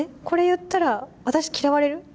これ言ったら私嫌われる？